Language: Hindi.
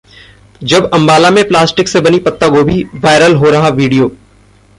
जब अंबाला में प्लास्टिक से बनी पत्तागोभी, वायरल हो रहा वीडियो...